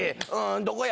どこや？